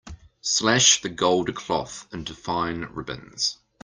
Slash the gold cloth into fine ribbons.